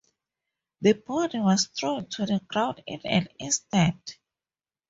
The body was thrown to the ground in an instant.